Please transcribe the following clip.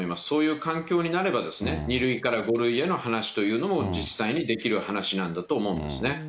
そういう環境になれば、２類から５類への話というのも実際にできる話なんだと思うんです